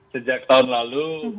sejak tahun lalu